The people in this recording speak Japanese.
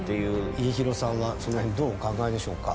家広さんはその辺どうお考えでしょうか？